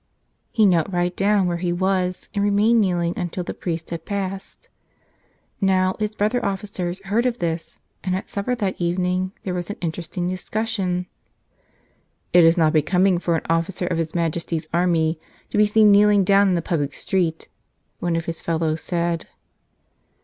He knelt right down where he was and remained kneeling until the priest had passed. Now, his brother officers heard of this, and at supper that evening there was an interesting discussion. "It is not becoming for an officer of his Majesty's army to be seen kneeling down in the public street," one of his fellows said.